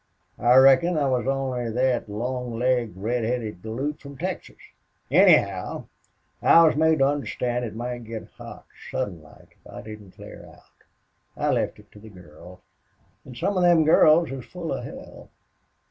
I reckon I was only thet long legged, red headed galoot from Texas. Anyhow, I was made to understand it might get hot sudden like if I didn't clear out. I left it to the girl. An' some of them girls is full of hell.